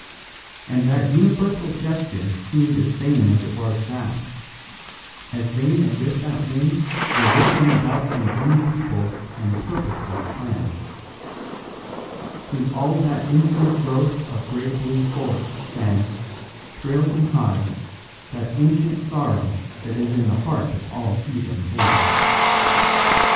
And that universal gesture seemed as vain as it was vast, as vain as if that wind were whistling about some unpeopled and purposeless planet. Through all that infinite growth of grey blue forests sang, shrill and high, that ancient sorrow that is in the heart of all heathen things.